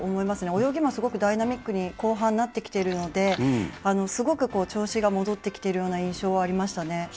泳ぎもすごくダイナミックに後半なってきているのですごく調子が戻ってきているような印象はありましたね。